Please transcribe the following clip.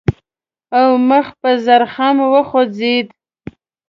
او مخ په زرخم وخوځېد.